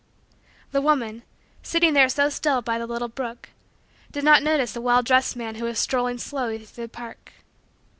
The woman, sitting there so still by the little brook, did not notice a well dressed man who was strolling slowly through the park.